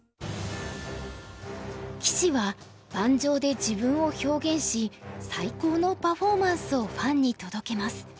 棋士は盤上で自分を表現し最高のパフォーマンスをファンに届けます。